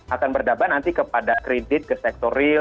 akan berdampak nanti kepada kredit ke sektor real